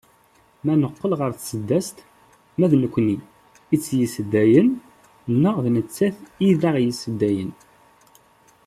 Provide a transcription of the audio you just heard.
Ma neqqel ɣer tseddast, ma d nekkni i d tt-yesseddayen neɣ d nettat i d aɣ-yesseddayen?